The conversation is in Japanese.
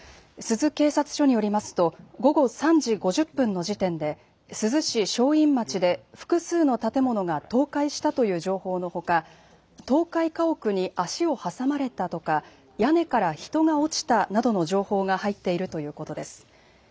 珠洲警察署によりますと午後３時５０分の時点で珠洲市正院町で複数の建物が倒壊したという情報のほか倒壊家屋に足を挟まれたとか屋根から人が落ちたなどの情報が入っているということです。